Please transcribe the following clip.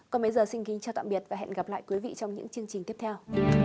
còn bây giờ xin kính chào tạm biệt và hẹn gặp lại quý vị trong những chương trình tiếp theo